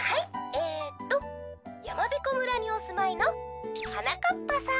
えっとやまびこ村におすまいのはなかっぱさん」。